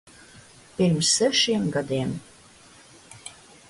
Pirms sešiem gadiem.